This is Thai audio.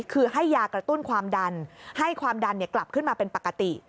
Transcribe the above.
คือให้ยากระตุ้นความดันให้ความดันกลับขึ้นมาเป็นปกติ